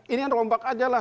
ini yang rombak aja lah